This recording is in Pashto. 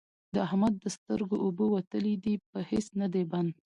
د احمد د سترګو اوبه وتلې دي؛ په هيڅ نه دی بند،